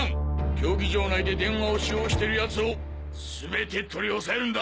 競技場内で電話を使用している奴をすべて取り押さえるんだ！